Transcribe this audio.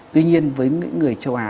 tuy nhiên với những người châu á